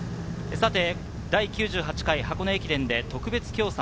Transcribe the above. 第９８回箱根駅伝で特別協賛